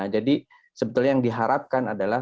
jadi sebetulnya yang diharapkan adalah